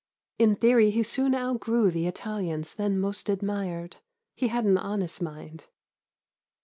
In theory he soon outgrew the Italians then most admired; he had an honest mind.